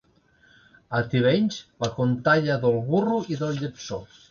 A Tivenys, la contalla del burro i del lletsó.